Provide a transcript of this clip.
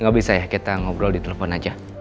gak bisa ya kita ngobrol di telepon aja